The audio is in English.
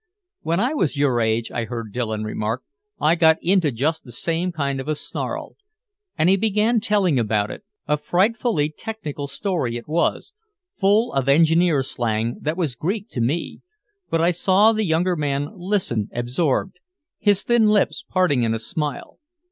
"When I was your age," I heard Dillon remark, "I got into just the same kind of a snarl." And he began telling about it. A frightfully technical story it was, full of engineer slang that was Greek to me, but I saw the younger man listen absorbed, his thin lips parting in a smile.